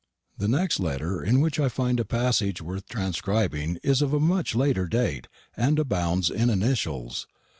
The next letter in which I find a passage worth transcribing is of much later date, and abounds in initials.